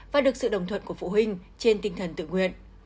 và được sự đồng thuận của phụ huynh trên tinh thần tự nguyện